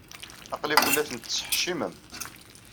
Aql-iken la ten-tettḥeccimem.